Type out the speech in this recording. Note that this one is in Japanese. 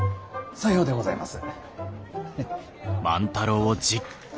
さようでございます。